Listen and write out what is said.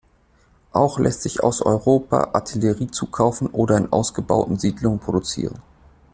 Auch lässt sich aus Europa Artillerie zukaufen oder in ausgebauten Siedlungen produzieren.